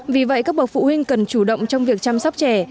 vì vậy các bậc phụ huynh cần chủ động trong việc chăm sóc trẻ